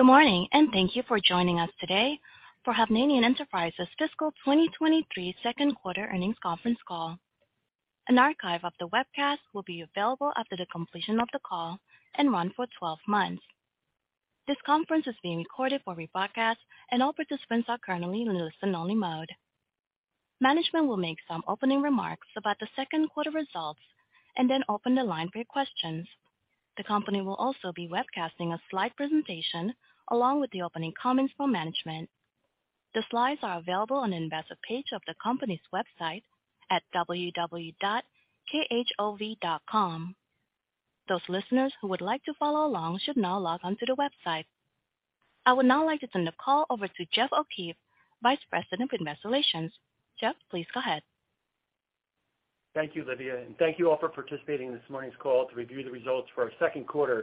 Good morning, and thank you for joining us today for Hovnanian Enterprises fiscal 2023 Q2 earnings conference call. An archive of the webcast will be available after the completion of the call and run for 12 months. This conference is being recorded for rebroadcast, and all participants are currently in listen-only mode. Management will make some opening remarks about the Q2 results and then open the line for your questions. The company will also be webcasting a slide presentation along with the opening comments from management. The slides are available on the Investor page of the company's website at www.khov.com. Those listeners who would like to follow along should now log on to the website. I would now like to turn the call over to Jeff O'Keefe, Vice President of Investor Relations. Jeff, please go ahead. Thank you, Lydia, and thank you all for participating in this morning's call to review the results for our Q2,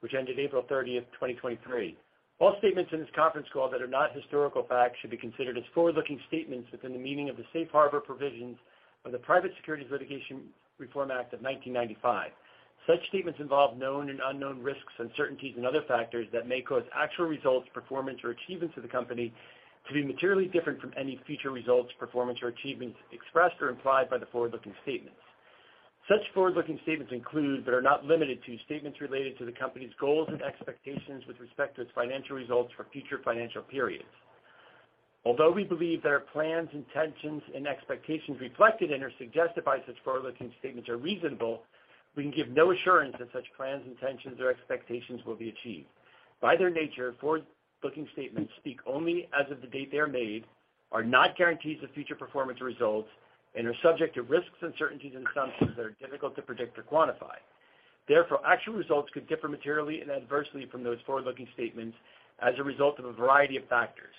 which ended April 30th, 2023. All statements in this conference call that are not historical facts should be considered as forward-looking statements within the meaning of the Safe Harbor provisions of the Private Securities Litigation Reform Act of 1995. Such statements involve known and unknown risks, uncertainties, and other factors that may cause actual results, performance, or achievements of the company to be materially different from any future results, performance, or achievements expressed or implied by the forward-looking statements. Such forward-looking statements include, but are not limited to, statements related to the company's goals and expectations with respect to its financial results for future financial periods. Although we believe that our plans, intentions, and expectations reflected in or suggested by such forward-looking statements are reasonable, we can give no assurance that such plans, intentions, or expectations will be achieved. By their nature, forward-looking statements speak only as of the date they are made, are not guarantees of future performance results, and are subject to risks, uncertainties, and assumptions that are difficult to predict or quantify. Therefore, actual results could differ materially and adversely from those forward-looking statements as a result of a variety of factors.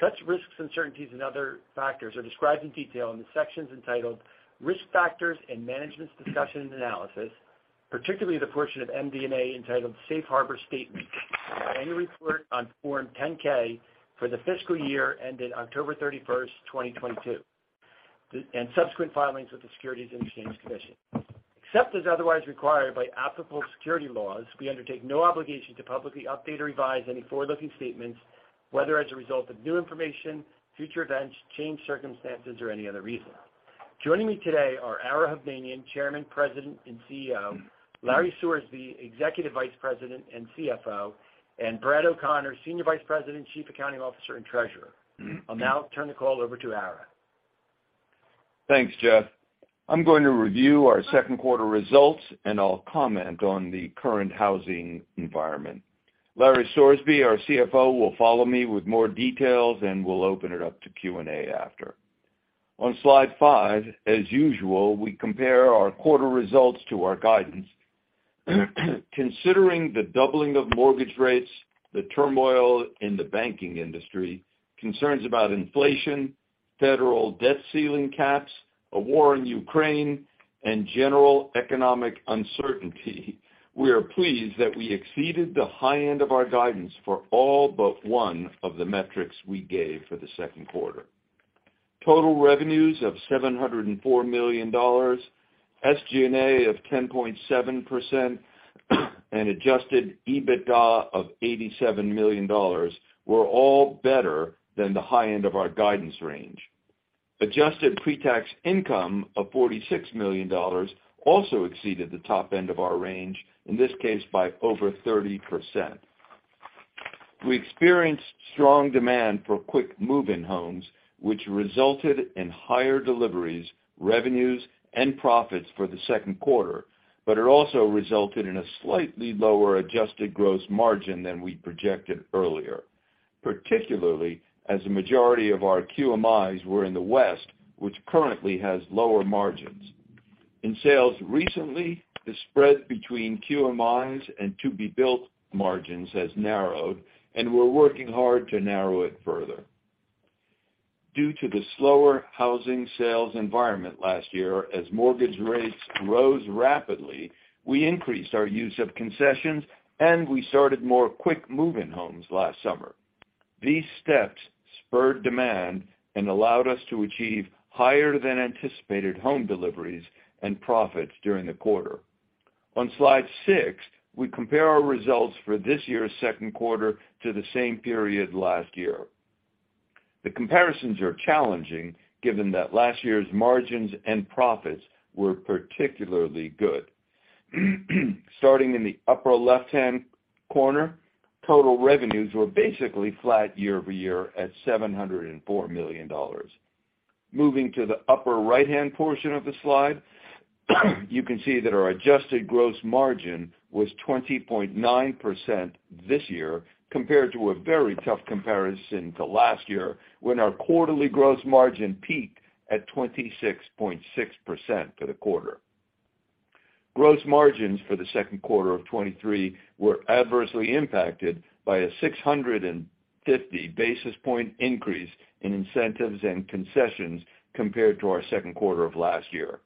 Such risks, uncertainties, and other factors are described in detail in the sections entitled Risk Factors and Management's Discussion and Analysis, particularly the portion of MD&A entitled Safe Harbor Statement, annual report on Form 10-K for the fiscal year ended October 31st, 2022, and subsequent filings with the Securities and Exchange Commission. Except as otherwise required by applicable security laws, we undertake no obligation to publicly update or revise any forward-looking statements, whether as a result of new information, future events, changed circumstances, or any other reason. Joining me today are Ara Hovnanian, Chairman, President, and CEO, Larry Sorsby, Executive Vice President and CFO, and Brad O'Connor, Senior Vice President, Chief Accounting Officer, and Treasurer. I'll now turn the call over to Ara. Thanks, Jeff. I'm going to review our Q2 results, and I'll comment on the current housing environment. Larry Sorsby, our CFO, will follow me with more details, and we'll open it up to Q&A after. On slide 5, as usual, we compare our quarter results to our guidance. Considering the doubling of mortgage rates, the turmoil in the banking industry, concerns about inflation, federal debt ceiling caps, a war in Ukraine, and general economic uncertainty, we are pleased that we exceeded the high end of our guidance for all but one of the metrics we gave for the Q2. Total revenues of $704 million, SG&A of 10.7%, and adjusted EBITDA of $87 million were all better than the high end of our guidance range. Adjusted pretax income of $46 million also exceeded the top end of our range, in this case, by over 30%. We experienced strong demand for Quick Move-In homes, which resulted in higher deliveries, revenues, and profits for the Q2. It also resulted in a slightly lower adjusted gross margin than we projected earlier, particularly as the majority of our QMIs were in the West, which currently has lower margins. In sales recently, the spread between QMIs and to-be-built margins has narrowed. We're working hard to narrow it further. Due to the slower housing sales environment last year, as mortgage rates rose rapidly, we increased our use of concessions. We started more Quick Move-In homes last summer. These steps spurred demand and allowed us to achieve higher than anticipated home deliveries and profits during the quarter. On Slide 6, we compare our results for this year's Q2 to the same period last year. The comparisons are challenging, given that last year's margins and profits were particularly good. Starting in the upper left-hand corner, total revenues were basically flat year-over-year at $704 million. Moving to the upper right-hand portion of the slide, you can see that our adjusted gross margin was 20.9% this year, compared to a very tough comparison to last year, when our quarterly gross margin peaked at 26.6% for the quarter. Gross margins for the Q2 of 2023 were adversely impacted by a 650 basis point increase in incentives and concessions compared to our Q2 of last year.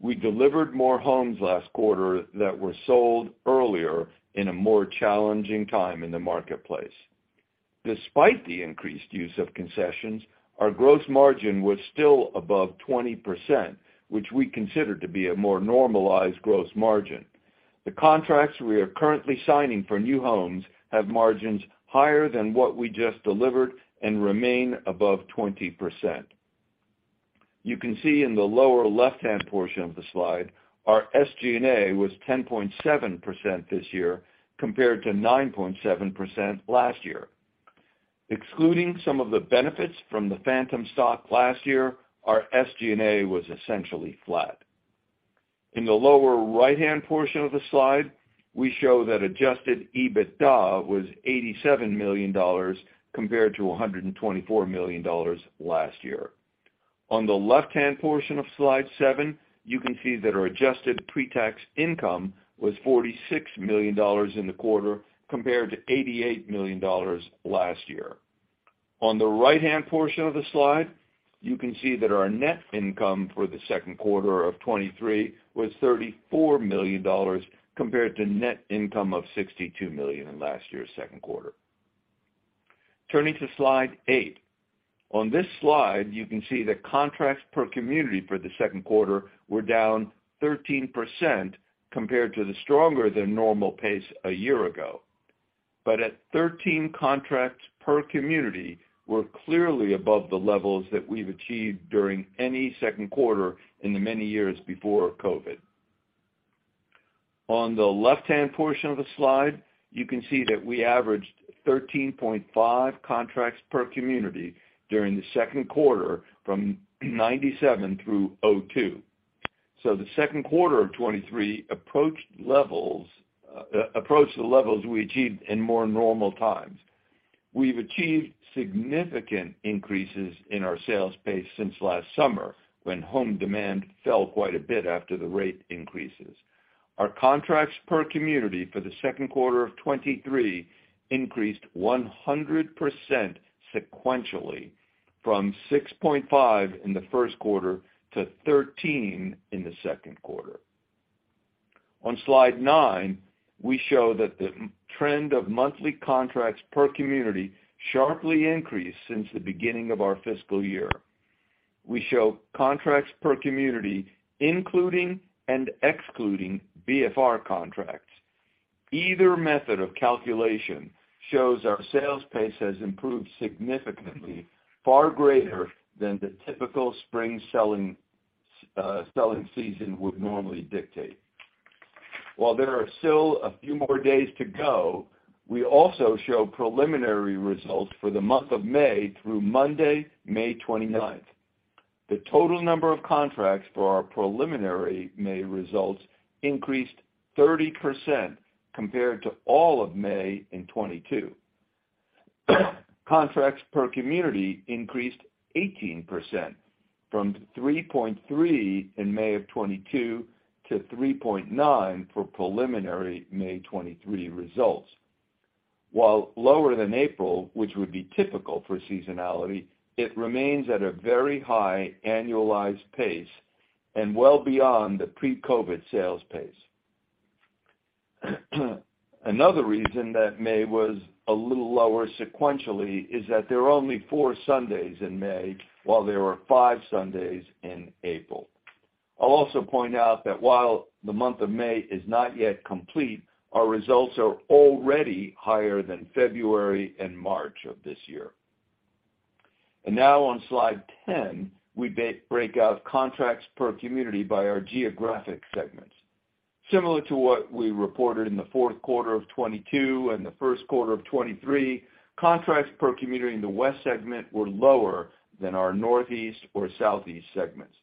We delivered more homes last quarter that were sold earlier in a more challenging time in the marketplace. despite the increased use of concessions, our gross margin was still above 20%, which we consider to be a more normalized gross margin. The contracts we are currently signing for new homes have margins higher than what we just delivered and remain above 20%. You can see in the lower left-hand portion of the slide, our SG&A was 10.7% this year, compared to 9.7% last year. Excluding some of the benefits from the Phantom stock last year, our SG&A was essentially flat. In the lower right-hand portion of the slide, we show that adjusted EBITDA was $87 million compared to $124 million last year. On the left-hand portion of slide 7, you can see that our adjusted pre-tax income was $46 million in the quarter, compared to $88 million last year. On the right-hand portion of the slide, you can see that our net income for the Q2 of 2023 was $34 million, compared to net income of $62 million in last year's Q2. Turning to slide 8. On this slide, you can see that contracts per community for the Q2 were down 13% compared to the stronger than normal pace a year ago. At 13 contracts per community, we're clearly above the levels that we've achieved during any Q2 in the many years before COVID. On the left-hand portion of the slide, you can see that we averaged 13.5 contracts per community during the Q2 from 97 through 02. The Q2 of 2023 approached the levels we achieved in more normal times. We've achieved significant increases in our sales pace since last summer, when home demand fell quite a bit after the rate increases. Our contracts per community for the Q2 of 2023 increased 100% sequentially, from 6.5 in the first quarter to 13 in the Q2. On Slide 9, we show that the trend of monthly contracts per community sharply increased since the beginning of our fiscal year. We show contracts per community, including and excluding BFR contracts. Either method of calculation shows our sales pace has improved significantly, far greater than the typical spring selling season would normally dictate. While there are still a few more days to go, we also show preliminary results for the month of May through Monday, May 29th. The total number of contracts for our preliminary May results increased 30% compared to all of May in 2022. Contracts per community increased 18% from 3.3 in May of 2022 to 3.9 for preliminary May 2023 results. While lower than April, which would be typical for seasonality, it remains at a very high annualized pace and well beyond the pre-COVID sales pace. Another reason that May was a little lower sequentially is that there are only four Sundays in May, while there were five Sundays in April. I'll also point out that while the month of May is not yet complete, our results are already higher than February and March of this year. Now on Slide 10, we break out contracts per community by our geographic segments. Similar to what we reported in the fourth quarter of 2022 and the first quarter of 2023, contracts per community in the West segment were lower than our Northeast or Southeast segments.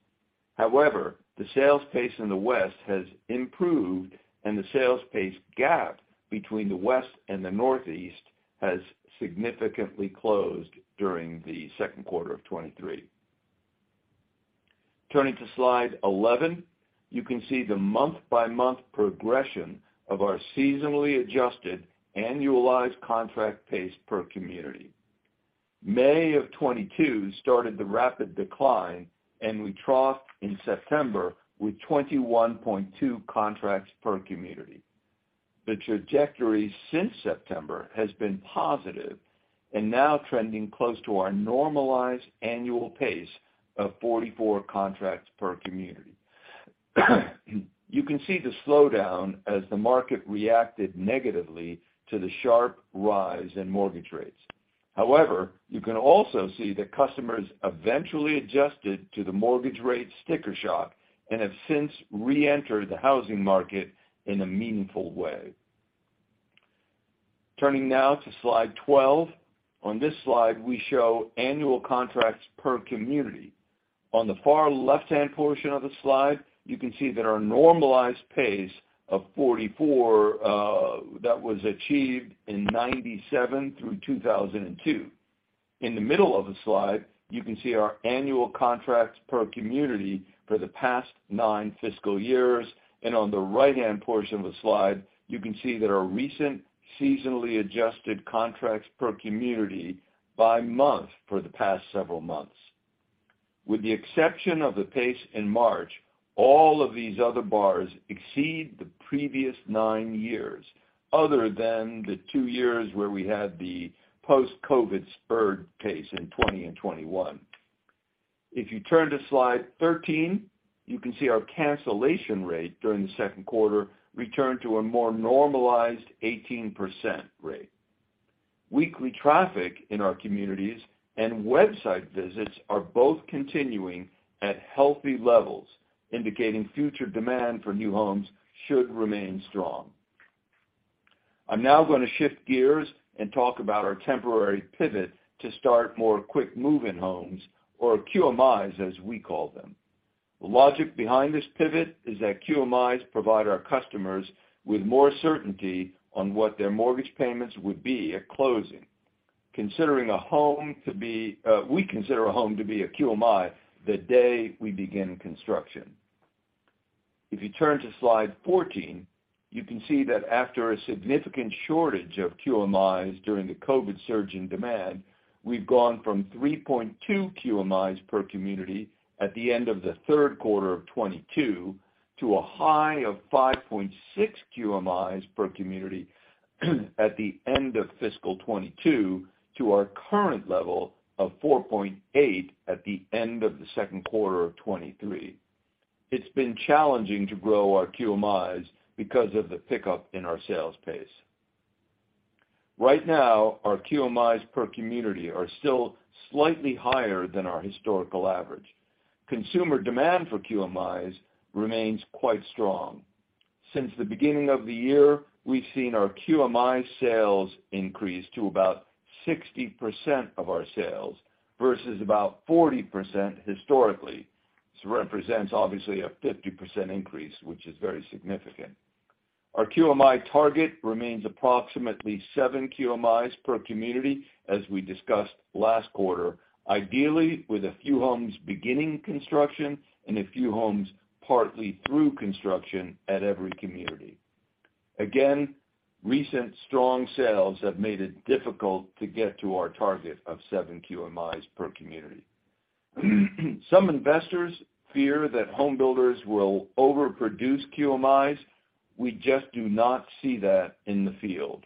However, the sales pace in the West has improved, and the sales pace gap between the West and the Northeast has significantly closed during the Q2 of 2023. Turning to Slide 11, you can see the month-by-month progression of our seasonally adjusted annualized contract pace per community. May of 2022 started the rapid decline, and we troughed in September with 21.2 contracts per community. The trajectory since September has been positive and now trending close to our normalized annual pace of 44 contracts per community. You can see the slowdown as the market reacted negatively to the sharp rise in mortgage rates. However, you can also see that customers eventually adjusted to the mortgage rate sticker shock and have since reentered the housing market in a meaningful way. Turning now to Slide 12. On this slide, we show annual contracts per community. On the far left-hand portion of the slide, you can see that our normalized pace of 44 that was achieved in 97 through 2002. In the middle of the slide, you can see our annual contracts per community for the past nine fiscal years, and on the right-hand portion of the slide, you can see that our recent seasonally adjusted contracts per community by month for the past several months. With the exception of the pace in March, all of these other bars exceed the previous 9 years, other than the 2 years where we had the post-COVID spurred pace in 20 and 21. If you turn to slide 13, you can see our cancellation rate during the Q2 returned to a more normalized 18% rate. Weekly traffic in our communities and website visits are both continuing at healthy levels, indicating future demand for new homes should remain strong. I'm now going to shift gears and talk about our temporary pivot to start more Quick Move-In homes, or QMIs, as we call them. The logic behind this pivot is that QMIs provide our customers with more certainty on what their mortgage payments would be at closing. We consider a home to be a QMI the day we begin construction. If you turn to slide 14, you can see that after a significant shortage of QMIs during the COVID surge in demand, we've gone from 3.2 QMIs per community at the end of the Q3 of 2022, to a high of 5.6 QMIs per community at the end of fiscal 2022, to our current level of 4.8 at the end of the Q2 of 2023. It's been challenging to grow our QMIs because of the pickup in our sales pace. Right now, our QMIs per community are still slightly higher than our historical average. Consumer demand for QMIs remains quite strong. Since the beginning of the year, we've seen our QMI sales increase to about 60% of our sales, versus about 40% historically. This represents obviously a 50% increase, which is very significant. Our QMI target remains approximately 7 QMIs per community, as we discussed last quarter, ideally with a few homes beginning construction and a few homes partly through construction at every community. Recent strong sales have made it difficult to get to our target of 7 QMIs per community. Some investors fear that homebuilders will overproduce QMIs. We just do not see that in the field.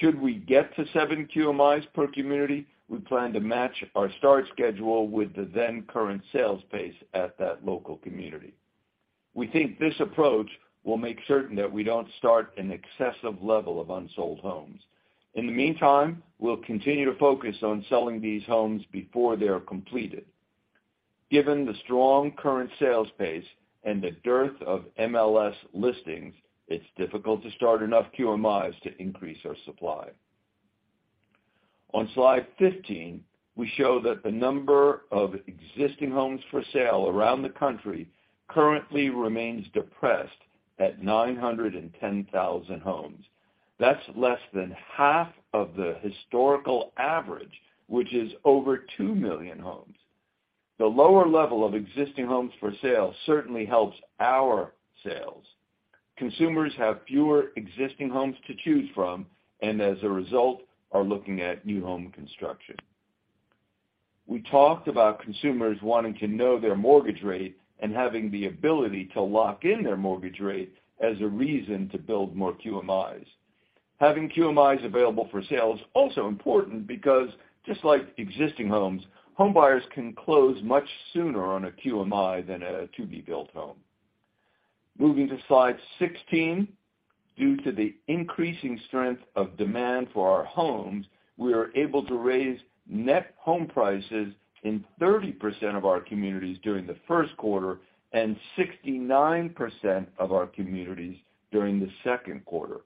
Should we get to 7 QMIs per community, we plan to match our start schedule with the then current sales pace at that local community. We think this approach will make certain that we don't start an excessive level of unsold homes. In the meantime, we'll continue to focus on selling these homes before they are completed. Given the strong current sales pace and the dearth of MLS listings, it's difficult to start enough QMIs to increase our supply. On slide 15, we show that the number of existing homes for sale around the country currently remains depressed at 910,000 homes. That's less than half of the historical average, which is over 2 million homes. The lower level of existing homes for sale certainly helps our sales. Consumers have fewer existing homes to choose from, and as a result, are looking at new home construction. We talked about consumers wanting to know their mortgage rate and having the ability to lock in their mortgage rate as a reason to build more QMIs. Having QMIs available for sale is also important because, just like existing homes, homebuyers can close much sooner on a QMI than a to-be-built home. Moving to slide 16, due to the increasing strength of demand for our homes, we are able to raise net home prices in 30% of our communities during the first quarter and 69% of our communities during the Q2.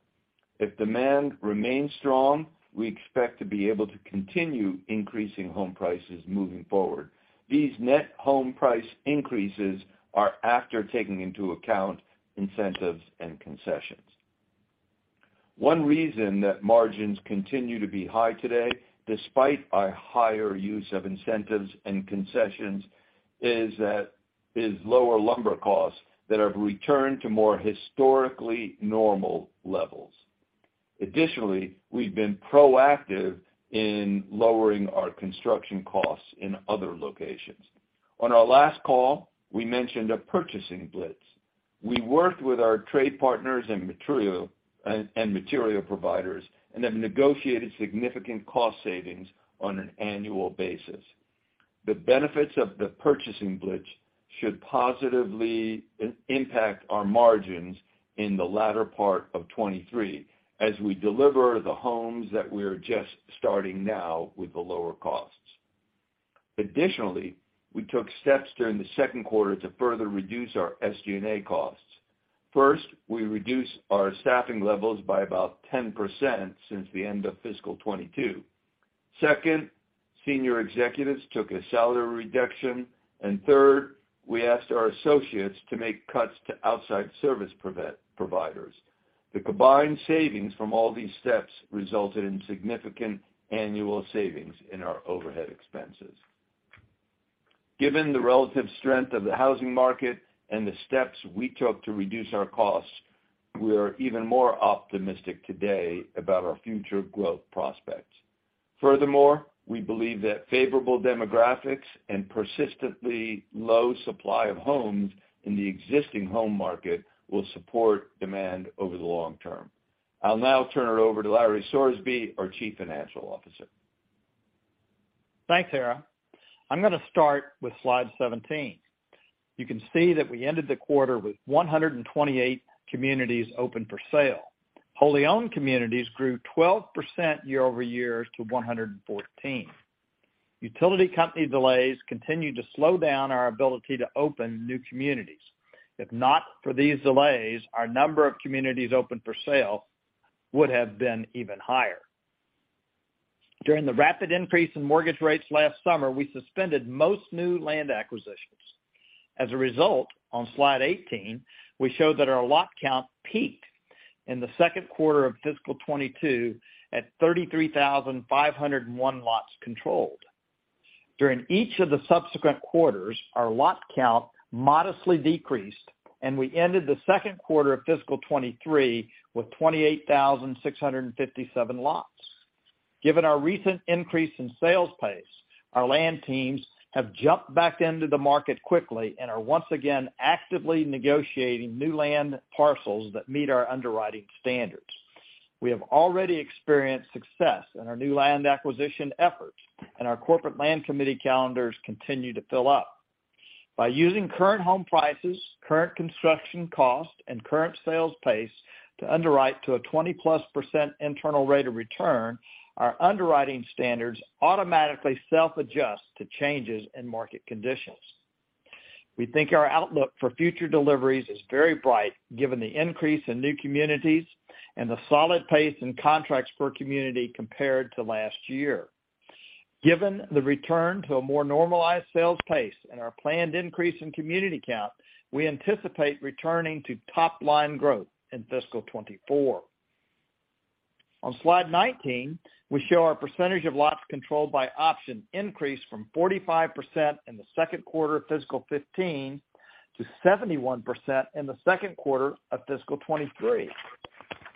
If demand remains strong, we expect to be able to continue increasing home prices moving forward. These net home price increases are after taking into account incentives and concessions. One reason that margins continue to be high today, despite our higher use of incentives and concessions, is lower lumber costs that have returned to more historically normal levels. We've been proactive in lowering our construction costs in other locations. On our last call, we mentioned a purchasing blitz. We worked with our trade partners and material providers, have negotiated significant cost savings on an annual basis. The benefits of the purchasing blitz should positively impact our margins in the latter part of 2023, as we deliver the homes that we are just starting now with the lower costs. Additionally, we took steps during the Q2 to further reduce our SG&A costs. First, we reduced our staffing levels by about 10% since the end of fiscal 2022. Second, senior executives took a salary reduction. Third, we asked our associates to make cuts to outside service providers. The combined savings from all these steps resulted in significant annual savings in our overhead expenses. Given the relative strength of the housing market and the steps we took to reduce our costs, we are even more optimistic today about our future growth prospects. Furthermore, we believe that favorable demographics and persistently low supply of homes in the existing home market will support demand over the long term. I'll now turn it over to Larry Sorsby, our Chief Financial Officer. Thanks, Ara. I'm going to start with slide 17. You can see that we ended the quarter with 128 communities open for sale. Wholly owned communities grew 12% year-over-year to 114. Utility company delays continued to slow down our ability to open new communities. If not for these delays, our number of communities open for sale would have been even higher. During the rapid increase in mortgage rates last summer, we suspended most new land acquisitions. As a result, on slide 18, we show that our lot count peaked in the Q2 of fiscal 2022 at 33,501 lots controlled. During each of the subsequent quarters, our lot count modestly decreased, and we ended the Q2 of fiscal 2023 with 28,657 lots. Given our recent increase in sales pace, our land teams have jumped back into the market quickly and are once again actively negotiating new land parcels that meet our underwriting standards. We have already experienced success in our new land acquisition efforts, and our corporate land committee calendars continue to fill up. By using current home prices, current construction costs, and current sales pace to underwrite to a 20-plus % internal rate of return, our underwriting standards automatically self-adjust to changes in market conditions. We think our outlook for future deliveries is very bright, given the increase in new communities and the solid pace in contracts per community compared to last year. Given the return to a more normalized sales pace and our planned increase in community count, we anticipate returning to top-line growth in fiscal 2024. On slide 19, we show our percentage of lots controlled by option increased from 45% in the Q2 of fiscal 2015 to 71% in the Q2 of fiscal 2023.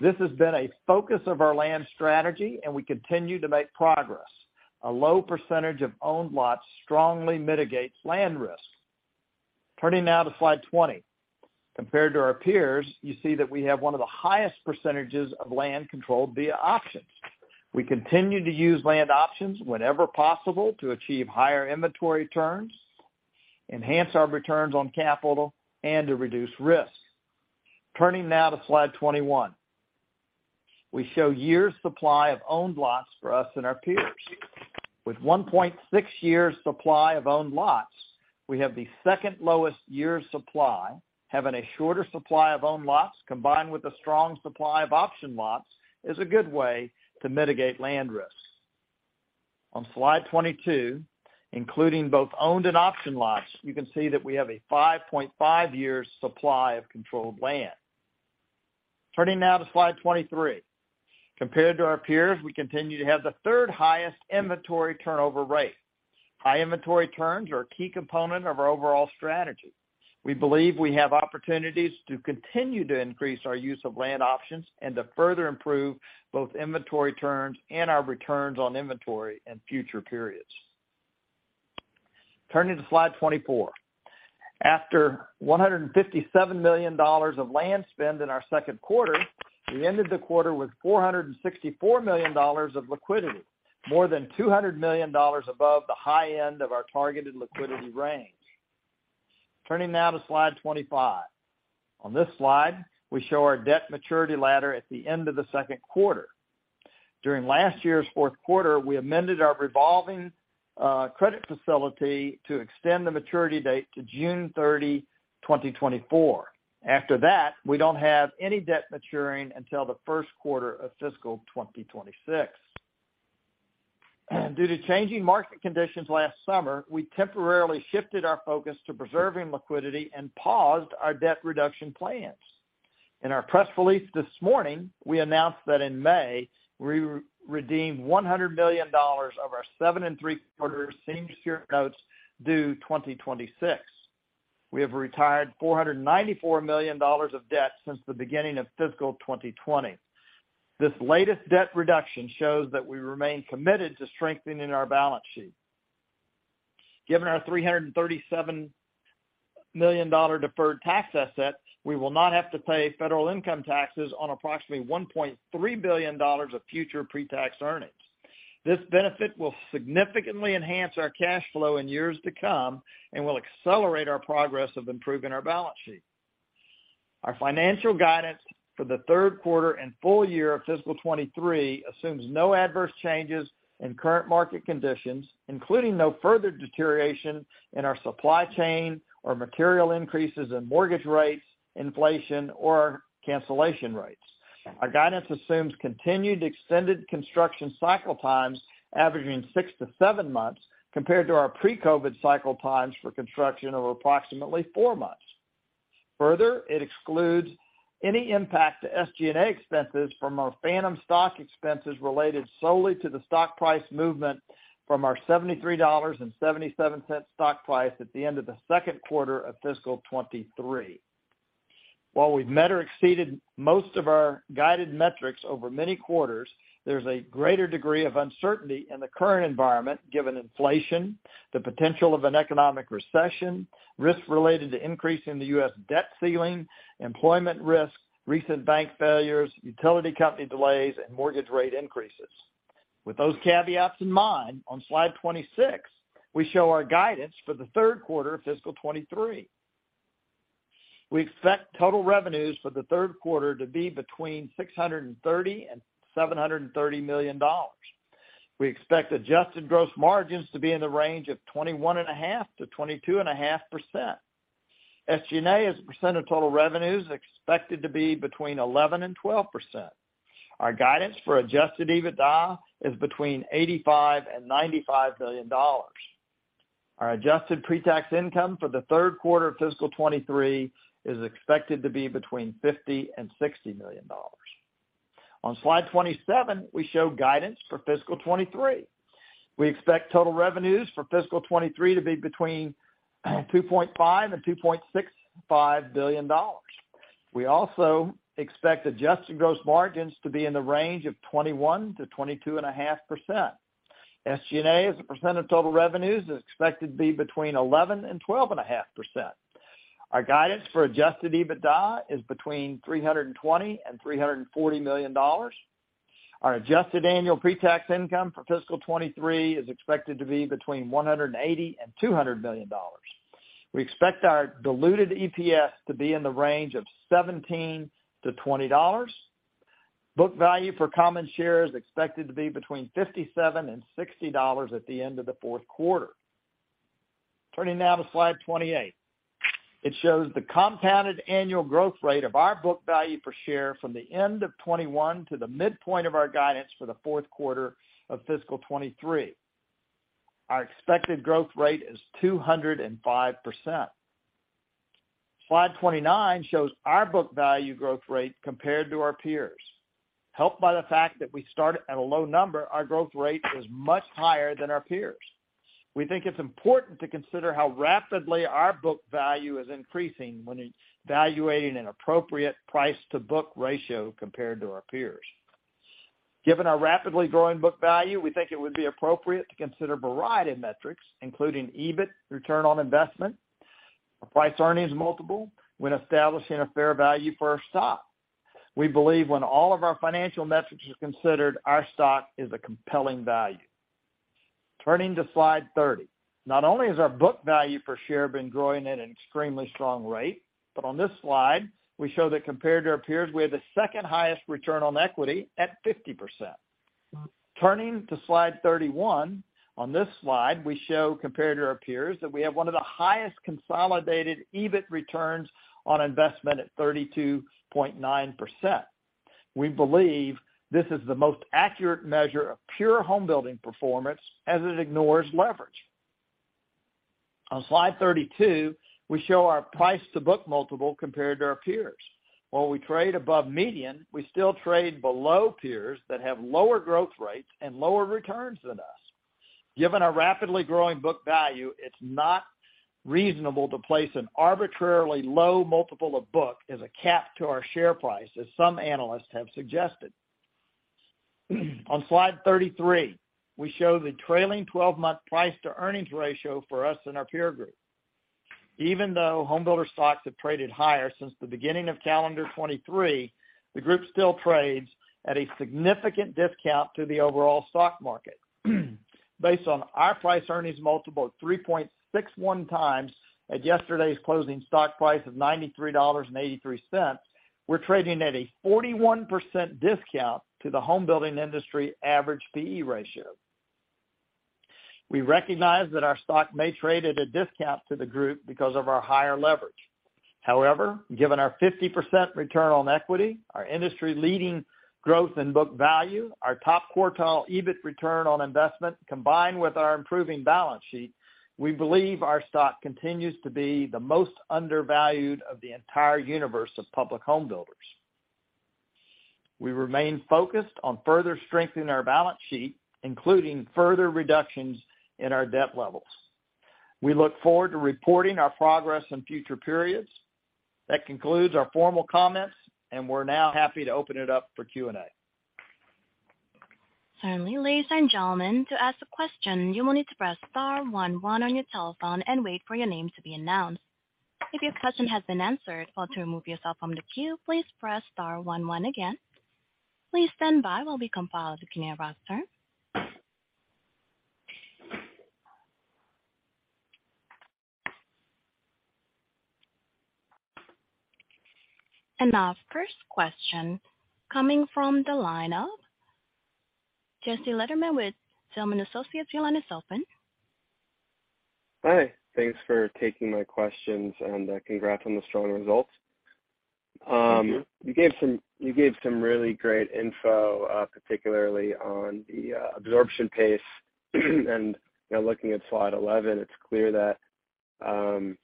This has been a focus of our land strategy, and we continue to make progress. A low percentage of owned lots strongly mitigates land risk. Turning now to slide 20. Compared to our peers, you see that we have one of the highest percentages of land controlled via options. We continue to use land options whenever possible to achieve higher inventory turns, enhance our returns on capital, and to reduce risk. Turning now to slide 21. We show years' supply of owned lots for us and our peers. With 1.6 years supply of owned lots, we have the second lowest years' supply. Having a shorter supply of owned lots, combined with a strong supply of option lots, is a good way to mitigate land risks. On slide 22, including both owned and option lots, you can see that we have a 5.5 years supply of controlled land. Turning now to slide 23. Compared to our peers, we continue to have the third highest inventory turnover rate. High inventory turns are a key component of our overall strategy. We believe we have opportunities to continue to increase ou use of land options and to further improve both inventory turns and our returns on inventory in future periods. Turning to slide 24. After $157 million of land spend in our Q2, we ended the quarter with $464 million of liquidity, more than $200 million above the high end of our targeted liquidity range. Turning now to slide 25. On this slide, we show our debt maturity ladder at the end of the Q2. During last year's fourth quarter, we amended our revolving credit facility to extend the maturity date to June 30, 2024. After that, we don't have any debt maturing until the first quarter of fiscal 2026. Due to changing market conditions last summer, we temporarily shifted our focus to preserving liquidity and paused our debt reduction plans. In our press release this morning, we announced that in May, we re-redeemed $100 million of our 7.75% Senior Secured Notes due 2026. We have retired $494 million of debt since the beginning of fiscal 2020. This latest debt reduction shows that we remain committed to strengthening our balance sheet. Given our $337 million deferred tax asset, we will not have to pay federal income taxes on approximately $1.3 billion of future pre-tax earnings. This benefit will significantly enhance our cash flow in years to come and will accelerate our progress of improving our balance sheet. Our financial guidance for the Q3 and full year of fiscal 2023 assumes no adverse changes in current market conditions, including no further deterioration in our supply chain or material increases in mortgage rates, inflation, or cancellation rates. Our guidance assumes continued extended construction cycle times averaging 6-7 months, compared to our pre-COVID cycle times for construction of approximately 4 months. Further, it excludes any impact to SG&A expenses from our phantom stock expenses related solely to the stock price movement from our $73.77 stock price at the end of the Q2 of fiscal 2023. While we've met or exceeded most of our guided metrics over many quarters, there's a greater degree of uncertainty in the current environment, given inflation, the potential of an economic recession, risks related to increasing the U.S. debt ceiling, employment risks, recent bank failures, utility company delays, and mortgage rate increases. With those caveats in mind, on slide 26, we show our guidance for the third quarter of fiscal 2023. We expect total revenues for the third quarter to be between $630 million and $730 million. We expect adjusted gross margins to be in the range of 21.5%-22.5%. SG&A, as a percent of total revenues, is expected to be between 11% and 12%. Our guidance for adjusted EBITDA is between $85 million and $95 million. Our adjusted pre-tax income for the third quarter of fiscal 2023 is expected to be between $50 million and $60 million. On slide 27, we show guidance for fiscal 2023. We expect total revenues for fiscal 2023 to be between $2.5 billion and $2.65 billion. We also expect adjusted gross margins to be in the range of 21%-22.5%. SG&A, as a percent of total revenues, is expected to be between 11% and 12.5%. Our guidance for adjusted EBITDA is between $320 million and $340 million. Our adjusted annual pre-tax income for fiscal 2023 is expected to be between $180 million and $200 million. We expect our diluted EPS to be in the range of $17-$20. Book value for common share is expected to be between $57 and $60 at the end of the fourth quarter. Turning now to slide 28. It shows the compound annual growth rate of our book value per share from the end of 2021 to the midpoint of our guidance for the fourth quarter of fiscal 2023. Our expected growth rate is 205%. Slide 29 shows our book value growth rate compared to our peers. Helped by the fact that we started at a low number, our growth rate is much higher than our peers. We think it's important to consider how rapidly our book value is increasing when evaluating an appropriate price-to-book ratio compared to our peers. Given our rapidly growing book value, we think it would be appropriate to consider a variety of metrics, including EBIT return on investment, price-earnings multiple, when establishing a fair value for our stock. We believe when all of our financial metrics are considered, our stock is a compelling value. Turning to slide 30. Not only has our book value per share been growing at an extremely strong rate, but on this slide, we show that compared to our peers, we have the second highest return on equity at 50%. Turning to slide 31, on this slide, we show, compared to our peers, that we have one of the highest consolidated EBIT returns on investment at 32.9%. We believe this is the most accurate measure of pure homebuilding performance as it ignores leverage. On slide 32, we show our price-to-book multiple compared to our peers. While we trade above median, we still trade below peers that have lower growth rates and lower returns than us. Given our rapidly growing book value, it's not reasonable to place an arbitrarily low multiple of book as a cap to our share price, as some analysts have suggested. On slide 33, we show the trailing 12-month price-to-earnings ratio for us and our peer group. Even though homebuilder stocks have traded higher since the beginning of calendar 2023, the group still trades at a significant discount to the overall stock market. Based on our price-earnings multiple of 3.61 times at yesterday's closing stock price of $93.83, we're trading at a 41% discount to the home building industry average P/E ratio. We recognize that our stock may trade at a discount to the group because of our higher leverage. However, given our 50% return on equity, our industry-leading growth in book value, our top-quartile EBIT return on investment, combined with our improving balance sheet, we believe our stock continues to be the most undervalued of the entire universe of public home builders. We remain focused on further strengthening our balance sheet, including further reductions in our debt levels. We look forward to reporting our progress in future periods. That concludes our formal comments, and we're now happy to open it up for Q&A. Certainly. Ladies and gentlemen, to ask a question, you will need to press star one one on your telephone and wait for your name to be announced. If your question has been answered, or to remove yourself from the queue, please press star one one again. Please stand by while we compile the questionnaire roster. Our first question coming from the line of Jesse Lederman with Zelman & Associates LLC. Your line is open. Hi, thanks for taking my questions, and congrats on the strong results. Thank you. You gave some really great info, particularly on the absorption pace. You know, looking at slide 11, it's clear that, you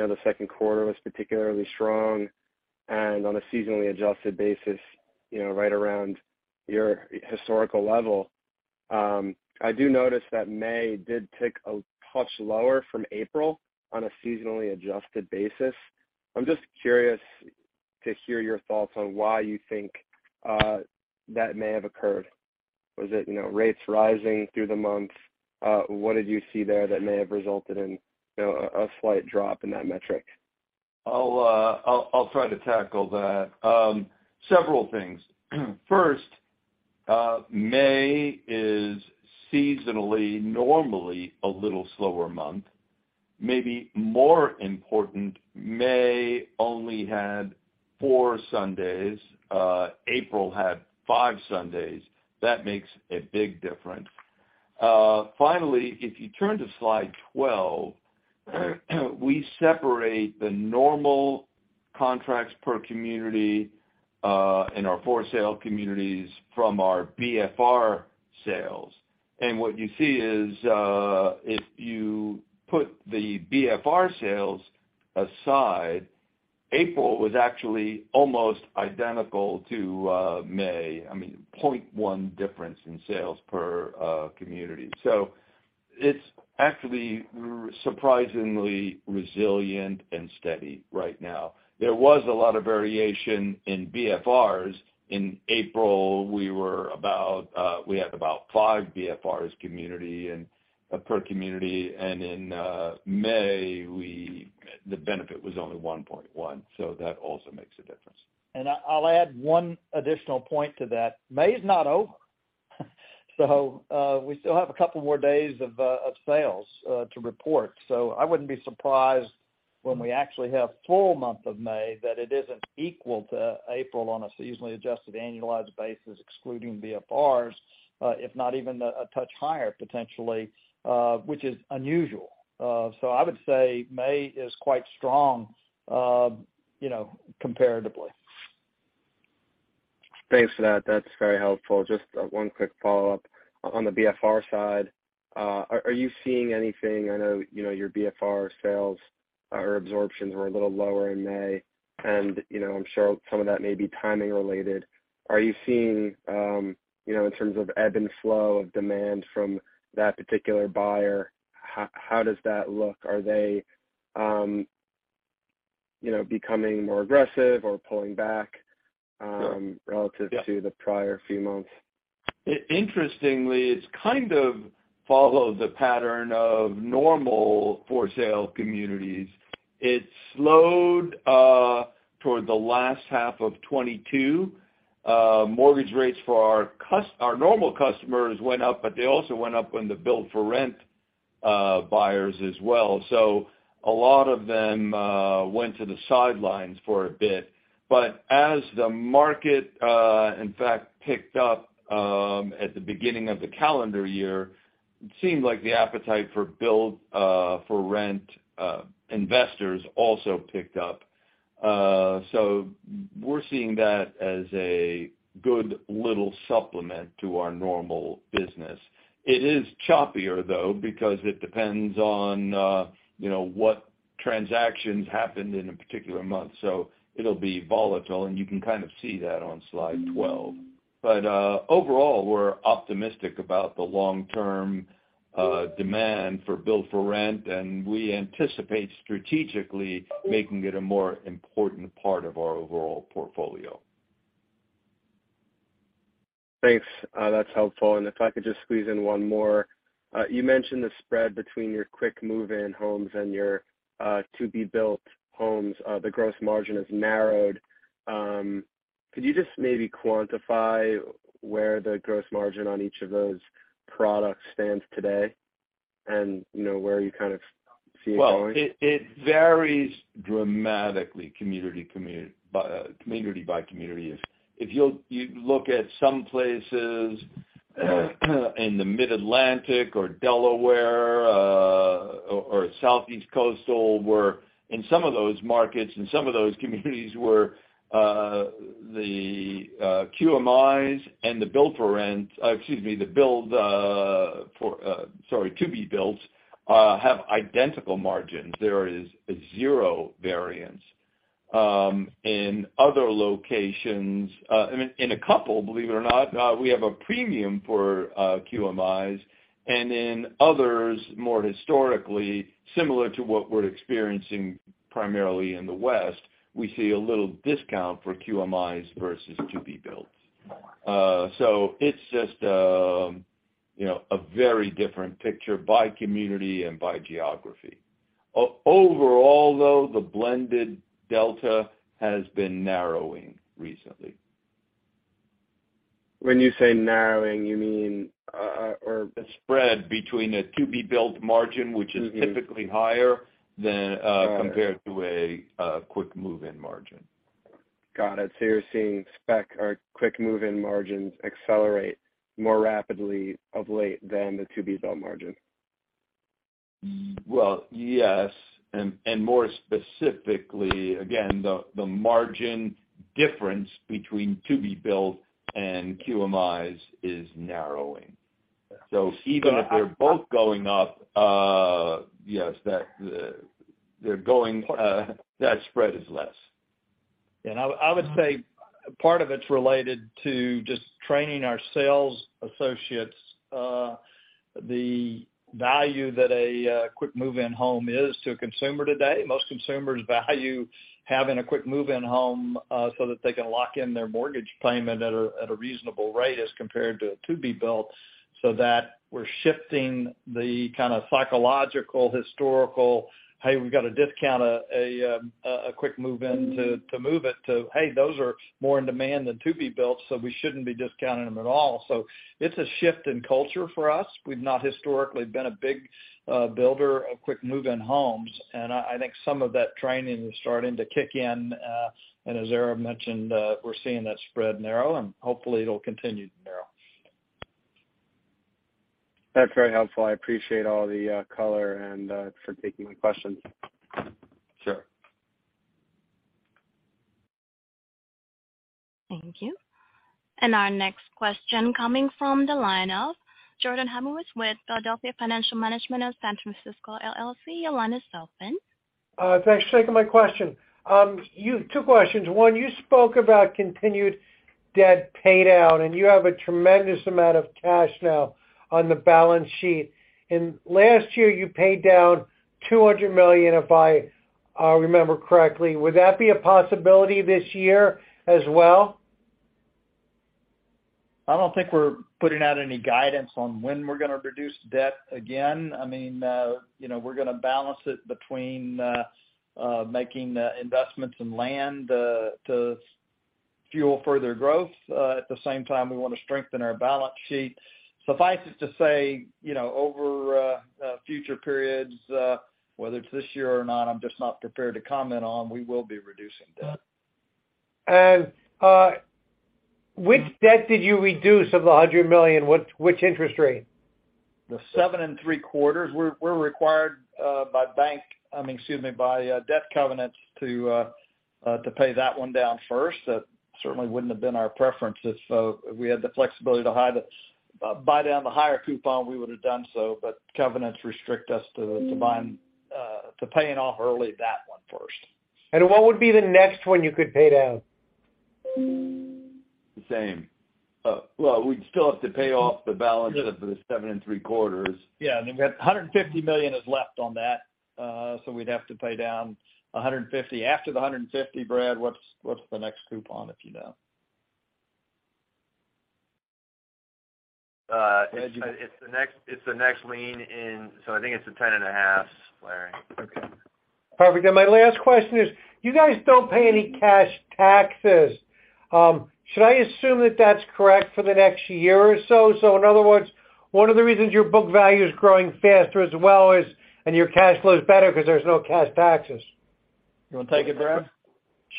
know, the Q2 was particularly strong, and on a seasonally adjusted basis, you know, right around your historical level. I do notice that May did tick a touch lower from April on a seasonally adjusted basis. I'm just curious to hear your thoughts on why you think that may have occurred. Was it, you know, rates rising through the month? What did you see there that may have resulted in, you know, a slight drop in that metric? I'll try to tackle that. Several things. First, May is seasonally, normally a little slower month. Maybe more important, May only had four Sundays, April had five Sundays. That makes a big difference. Finally, if you turn to slide 12, we separate the normal contracts per community in our for-sale communities from our BFR sales. What you see is, if you put the BFR sales aside, April was actually almost identical to May. I mean, 0.1 difference in sales per community. It's actually surprisingly resilient and steady right now. There was a lot of variation in BFRs. In April, we had about 5 BFRs community. Per community, and in May, the benefit was only 1.1, so that also makes a difference. I'll add one additional point to that. May is not over. We still have a couple more days of sales to report. I wouldn't be surprised when we actually have full month of May, that it isn't equal to April on a seasonally adjusted annualized basis, excluding BFRs, if not even a touch higher, potentially, which is unusual. I would say May is quite strong, you know, comparatively. Thanks for that. That's very helpful. Just one quick follow-up. On the BFR side, are you seeing anything... I know, you know, your BFR sales or absorptions were a little lower in May, and, you know, I'm sure some of that may be timing related. Are you seeing, you know, in terms of ebb and flow of demand from that particular buyer, how does that look? Are they, you know, becoming more aggressive or pulling back? Sure. relative to the prior few months? Interestingly, it's kind of followed the pattern of normal for sale communities. It slowed toward the last half of 22. Mortgage rates for our normal customers went up, but they also went up on the Build-For-Rent buyers as well. A lot of them went to the sidelines for a bit. As the market, in fact, picked up at the beginning of the calendar year, it seemed like the appetite for Build-For-Rent investors also picked up. We're seeing that as a good little supplement to our normal business. It is choppier, though, because it depends on, you know, what transactions happened in a particular month. It'll be volatile, and you can kind of see that on slide 12. Overall, we're optimistic about the long-term demand for Build-For-Rent, and we anticipate strategically making it a more important part of our overall portfolio. Thanks. That's helpful. If I could just squeeze in one more. You mentioned the spread between your Quick Move-In homes and your to-be-built homes, the gross margin has narrowed. Could you just maybe quantify where the gross margin on each of those products stands today? And, you know, where you kind of see it going? Well, it varies dramatically community by community. If you'll look at some places, in the Mid-Atlantic or Delaware, or Southeast Coastal, where in some of those markets, in some of those communities, where the QMIs and the build for rent... Excuse me, to-be-builts have identical margins. There is a zero variance. In other locations, I mean, in a couple, believe it or not, we have a premium for QMIs, and in others, more historically, similar to what we're experiencing primarily in the West, we see a little discount for QMIs versus to-be-builts. So it's just, you know, a very different picture by community and by geography. Overall, though, the blended delta has been narrowing recently. When you say narrowing, you mean? A spread between a to-be-built margin, which is. Mm-hmm... typically higher than. Got it. compared to a Quick Move-In margin. Got it. You're seeing spec or Quick Move-In margins accelerate more rapidly of late than the to-be-built margin? Well, yes, and more specifically, again, the margin difference between to-be-built and QMIs is narrowing. Got it. Even if they're both going up, yes, that, they're going, that spread is less. I would say part of it's related to just training our sales associates, the value that a Quick Move-In home is to a consumer today. Most consumers value having a Quick Move-In home, so that they can lock in their mortgage payment at a reasonable rate as compared to a to-be built, so that we're shifting the kind of psychological, historical, "Hey, we've got to discount a Quick Move-In to move it," to, "Hey, those are more in demand than to-be built, so we shouldn't be discounting them at all." It's a shift in culture for us. We've not historically been a big builder of Quick Move-In homes, and I think some of that training is starting to kick in, and as Aram mentioned, we're seeing that spread narrow, and hopefully it'll continue to narrow. That's very helpful. I appreciate all the color, and for taking the questions. Sure. Thank you. Our next question coming from the line of Jordan Hymowitz with Philadelphia Financial Management of San Francisco, LLC. Your line is open. Thanks for taking my question. Two questions. One, you spoke about continued debt paydown, and you have a tremendous amount of cash now on the balance sheet. Last year, you paid down $200 million, if I remember correctly. Would that be a possibility this year as well? I don't think we're putting out any guidance on when we're gonna reduce debt again. I mean, you know, we're gonna balance it between making investments in land to fuel further growth. At the same time, we want to strengthen our balance sheet. Suffice it to say, you know, over future periods, whether it's this year or not, I'm just not prepared to comment on, we will be reducing debt. Which debt did you reduce of the $100 million? Which, which interest rate? The 7.75%. We're required by bank, I mean, excuse me, by debt covenants to pay that one down first. That certainly wouldn't have been our preference. If we had the flexibility to hide it, buy down the higher coupon, we would have done so, but covenants restrict us to buying, to paying off early that one first. What would be the next one you could pay down? The same. Well, we'd still have to pay off the balance- Yeah - of the seven and three quarters. Yeah, we've got $150 million is left on that, so we'd have to pay down $150. After the $150, Brad, what's the next coupon, if you know? It's the next lien in. I think it's a ten and a half, Larry. Okay. Perfect. My last question is, you guys don't pay any cash taxes. Should I assume that that's correct for the next year or so? In other words, one of the reasons your book value is growing faster as well is, and your cash flow is better because there's no cash taxes. You want to take it, Brad?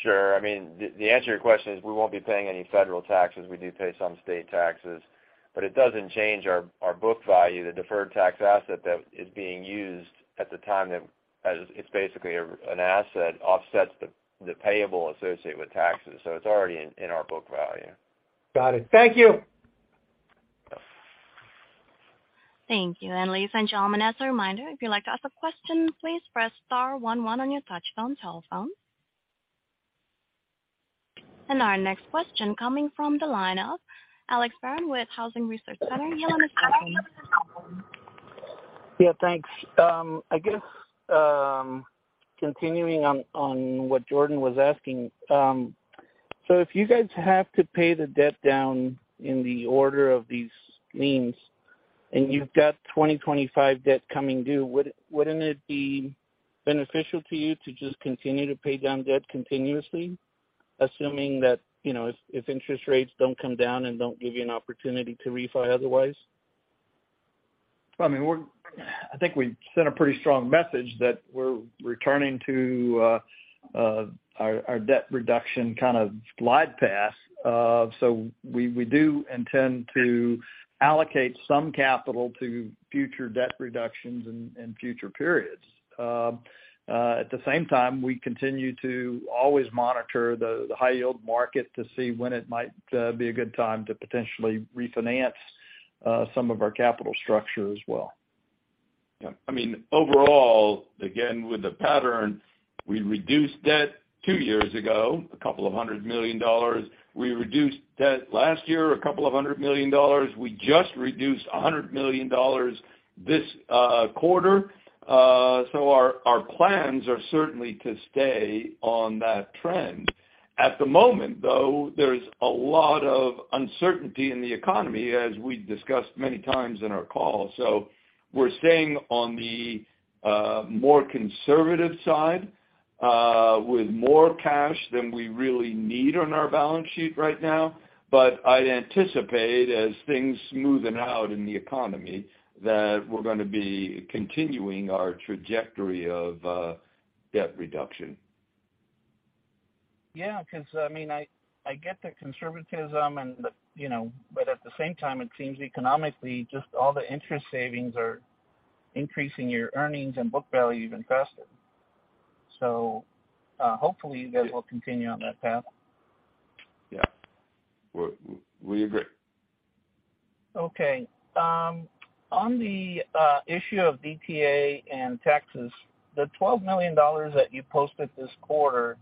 Sure. I mean, the answer to your question is we won't be paying any federal taxes. We do pay some state taxes, but it doesn't change our book value, the deferred tax asset that is being used at the time that, as it's basically an asset, offsets the payable associated with taxes. It's already in our book value. Got it. Thank you! Thank you. Ladies and gentlemen, as a reminder, if you'd like to ask a question, please press star one one on your touchtone telephone. Our next question coming from the line of Alex Barron with Housing Research Center. Your line is open. Yeah, thanks. I guess, continuing on what Jordan was asking, if you guys have to pay the debt down in the order of these liens, and you've got 2025 debt coming due, wouldn't it be beneficial to you to just continue to pay down debt continuously, assuming that, you know, if interest rates don't come down and don't give you an opportunity to refi otherwise? I mean, I think we sent a pretty strong message that we're returning to our debt reduction kind of glide path. We do intend to allocate some capital to future debt reductions in future periods. At the same time, we continue to always monitor the high yield market to see when it might be a good time to potentially refinance, some of our capital structure as well. Yeah. I mean, overall, again, with the pattern, we reduced debt two years ago, $200 million. We reduced debt last year, $200 million. We just reduced $100 million this quarter. Our, our plans are certainly to stay on that trend. At the moment, though, there's a lot of uncertainty in the economy, as we've discussed many times in our call. We're staying on the more conservative side with more cash than we really need on our balance sheet right now. I'd anticipate, as things smoothen out in the economy, that we're gonna be continuing our trajectory of debt reduction. 'Cause I mean, I get the conservatism and, you know, at the same time, it seems economically, just all the interest savings are increasing your earnings and book value even faster. Hopefully you guys will continue on that path. Yeah. We agree. On the issue of DTA and taxes, the $12 million that you posted this quarter,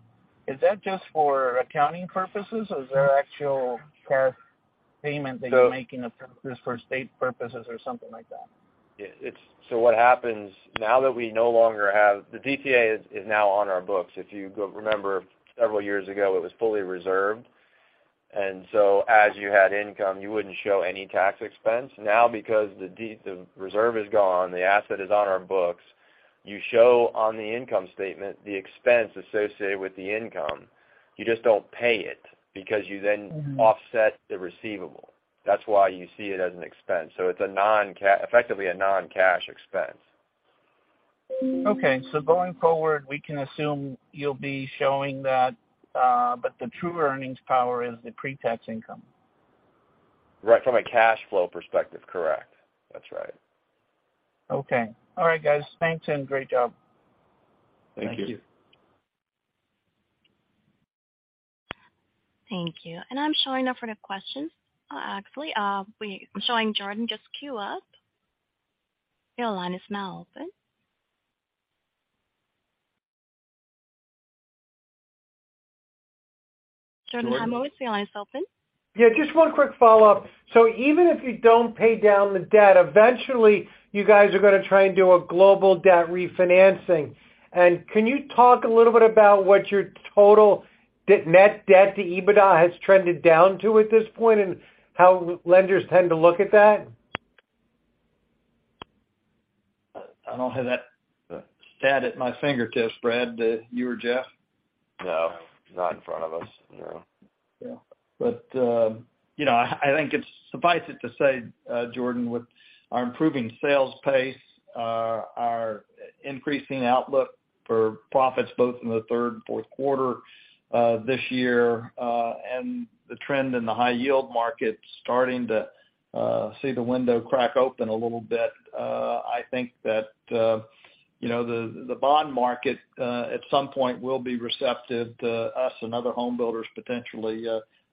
is that just for accounting purposes, or is there actual cash payment that you're making for state purposes or something like that? Yeah, what happens now that we no longer have. The DTA is now on our books. If you go, remember, several years ago, it was fully reserved, and so as you had income, you wouldn't show any tax expense. Now, because the reserve is gone, the asset is on our books, you show on the income statement, the expense associated with the income. You just don't pay it because you. Mm-hmm. offset the receivable. That's why you see it as an expense. It's effectively a non-cash expense. Okay, going forward, we can assume you'll be showing that, the true earnings power is the pre-tax income? Right. From a cash flow perspective, correct. That's right. Okay. All right, guys. Thanks, and great job. Thank you. Thank you. Thank you. I'm showing no further questions. actually, I'm showing Jordan just queue up. Your line is now open. Jordan, the line is open. Yeah, just one quick follow-up. Even if you don't pay down the debt, eventually, you guys are going to try and do a global debt refinancing. Can you talk a little bit about what your total net debt to EBITDA has trended down to at this point, and how lenders tend to look at that? I don't have that stat at my fingertips, Brad. Do you or Jeff? No, not in front of us, no. Yeah. You know, I think it's suffice it to say, Jordan, with our improving sales pace, our increasing outlook for profits both in the third and fourth quarter, this year, and the trend in the high yield market starting to see the window crack open a little bit, I think that, you know, the bond market, at some point will be receptive to us and other homebuilders potentially,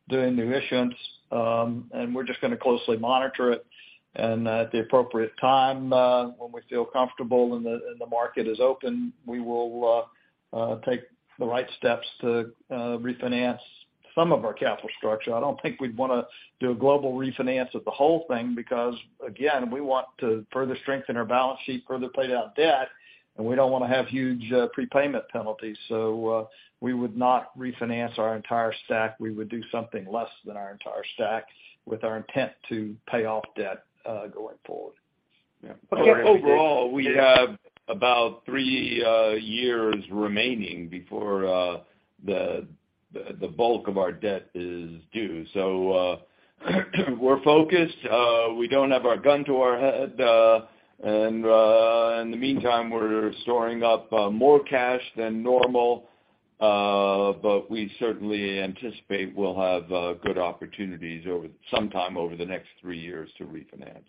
doing new issuance. We're just going to closely monitor it, and at the appropriate time, when we feel comfortable and the market is open, we will take the right steps to refinance some of our capital structure. I don't think we'd want to do a global refinance of the whole thing, because, again, we want to further strengthen our balance sheet, further pay down debt, and we don't want to have huge prepayment penalties. We would not refinance our entire stack. We would do something less than our entire stack with our intent to pay off debt going forward. Yeah. Okay. Overall, we have about 3 years remaining before the bulk of our debt is due. We're focused, we don't have our gun to our head, and in the meantime, we're storing up more cash than normal. We certainly anticipate we'll have good opportunities over, sometime over the next 3 years to refinance.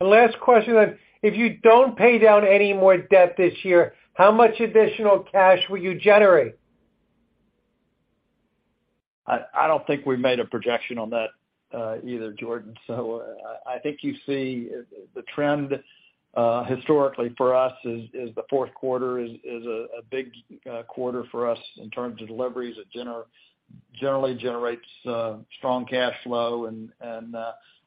The last question then, if you don't pay down any more debt this year, how much additional cash will you generate? I don't think we've made a projection on that, either, Jordan. I think you see the trend historically for us is the fourth quarter is a big quarter for us in terms of deliveries. It generally generates strong cash flow, and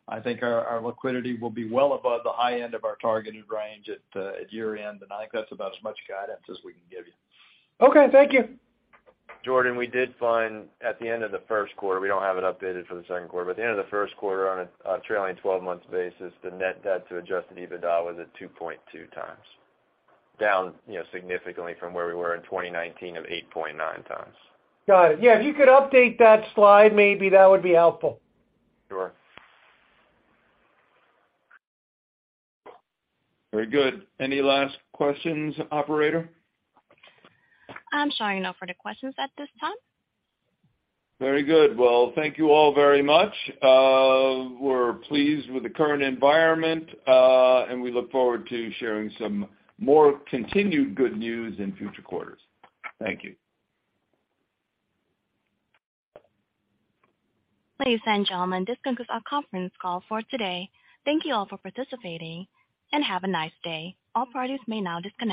I think our liquidity will be well above the high end of our targeted range at year-end. I think that's about as much guidance as we can give you. Okay. Thank you. Jordan, we did find at the end of the first quarter, we don't have it updated for the Q2, but at the end of the first quarter, on a trailing twelve-month basis, the net debt to adjusted EBITDA was at 2.2 times. Down, you know, significantly from where we were in 2019 of 8.9 times. Got it. Yeah, if you could update that slide, maybe that would be helpful. Sure. Very good. Any last questions, operator? I'm showing no further questions at this time. Very good. Well, thank you all very much. We're pleased with the current environment. We look forward to sharing some more continued good news in future quarters. Thank you. Ladies and gentlemen, this concludes our conference call for today. Thank you all for participating, and have a nice day. All parties may now disconnect.